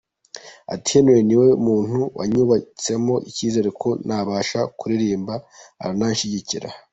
Ati “Henry niwe muntu wanyubatsemo icyizere ko nabasha kuririmba arananshyigikira.